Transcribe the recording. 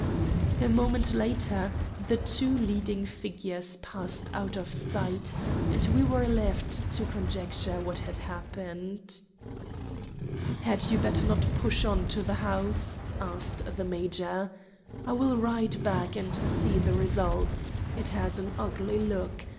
A moment later the two leading figures passed out of sight, and we were left to conjecture what had happened. "Had you better not push on to the house?" asked the major. "I will ride back and see the result. It has an ugly look.